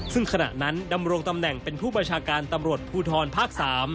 ซึ่งขณะนั้นดำรงตำแหน่งเป็นผู้บัญชาการตำรวจภูทรภาค๓